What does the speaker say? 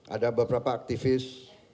ada beberapa aktivis